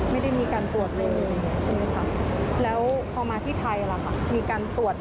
อ๋อไม่ได้มีการตรวจเลยใช่ไหมคะ